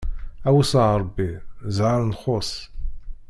Awes a Ṛebbi, zzheṛ nxuṣ!